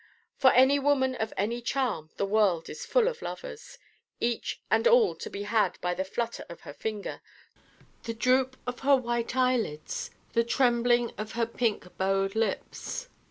For any woman of any charm the world is full of Lovers: each and all to be had by the flutter of her finger, the droop of her white eyelids, the trembling of her pink bowed lips.